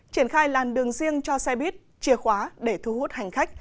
triển khai làn đường riêng cho xe buýt chìa khóa để thu hút hành khách